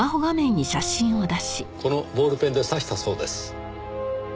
このボールペンで刺したそうです。